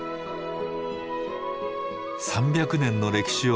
３００年の歴史を持つ